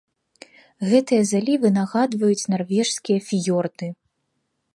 Гэтыя залівы нагадваюць нарвежскія фіёрды.